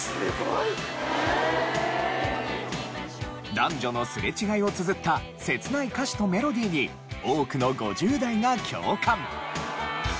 男女のすれ違いを綴った切ない歌詞とメロディーに多くの５０代が共感。